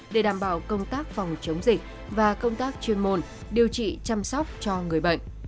để đảm bảo công tác phòng chống dịch và công tác chuyên môn điều trị chăm sóc cho người bệnh